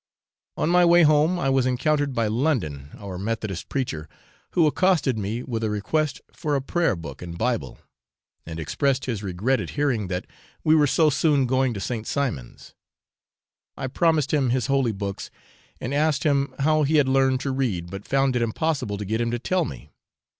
On my way home I was encountered by London, our Methodist preacher, who accosted me with a request for a prayer book and Bible, and expressed his regret at hearing that we were so soon going to St. Simon's. I promised him his holy books, and asked him how he had learned to read, but found it impossible to get him to tell me.